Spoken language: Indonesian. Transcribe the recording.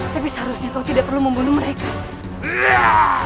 tapi seharusnya kau tidak perlu membunuh mereka